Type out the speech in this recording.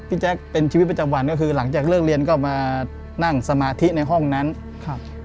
แจ๊คเป็นชีวิตประจำวันก็คือหลังจากเลิกเรียนก็มานั่งสมาธิในห้องนั้นครับ